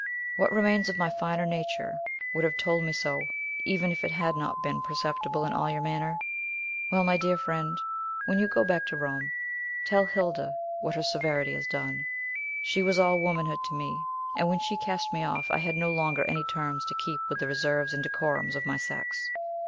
"What remains of my finer nature would have told me so, even if it had not been perceptible in all your manner. Well, my dear friend, when you go back to Rome, tell Hilda what her severity has done! She was all womanhood to me; and when she cast me off, I had no longer any terms to keep with the reserves and decorums of my sex.